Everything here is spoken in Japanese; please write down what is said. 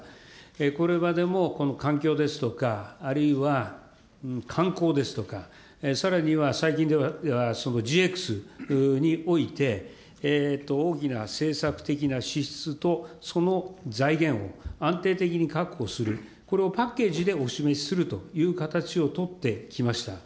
これまでも環境ですとか、あるいは観光ですとか、さらには最近ではＧＸにおいて、大きな政策的な支出とその財源を安定的に確保する、これをパッケージでお示しするという形を取ってきました。